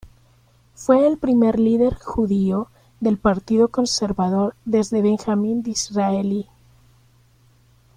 Fue el primer líder judío del Partido Conservador desde Benjamin Disraeli.